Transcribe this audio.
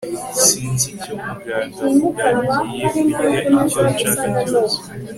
sinzi icyo muganga avuga. ngiye kurya icyo nshaka cyose